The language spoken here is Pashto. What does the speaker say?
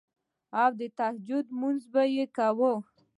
او د تهجد مونځ به مې کوو